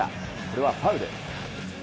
これはファウル。